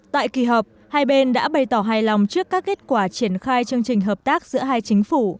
tại kỳ họp hai bên đã bày tỏ hài lòng trước các kết quả triển khai chương trình hợp tác giữa hai chính phủ